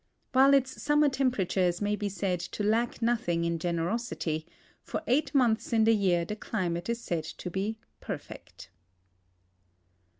While its sum mer temperatures may be said to lack nothing in generosity, lor eight months in the year the climate is said to be perfect.